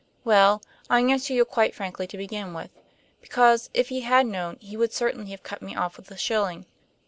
Well, I answer you quite frankly to begin with; because, if he had known, he would certainly have cut me off with a shilling.